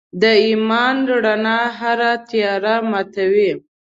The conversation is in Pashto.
د ایمان رڼا هره تیاره ماتي.